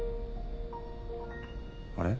あれ？